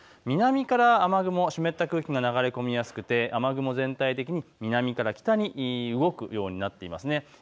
南から雨雲、湿った空気が流れ込みやすくて雨雲全体が南から北に動くようになっています。